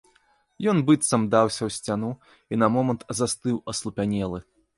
Ён быццам даўся ў сцяну і на момант застыў аслупянелы.